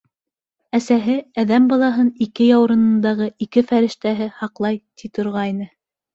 Әсәһе, әҙәм балаһын ике яурынындағы ике фәрештәһе һаҡлай, ти торғайны.